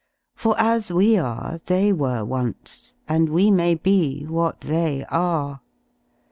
For as we are they were once, and we may be what they are.